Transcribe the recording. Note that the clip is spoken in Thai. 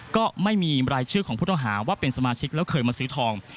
ก็ไม่มีรายชื่อของผู้ต้องหาว่าเป็นสมาชิกแล้วเคยมาซื้อทอง